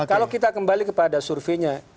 kalau kita kembali kepada surveinya